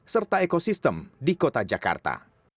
serta ekosistem di kota jakarta